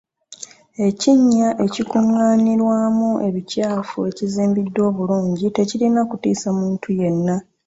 Ekinnya ekikungaaniamu ebikyafu ekizimbiddwa obulungi tekirina kutiisa muntu yenna.